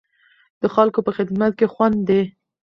د خلکو په خدمت کې خوند دی.